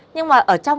nhưng mà ở trong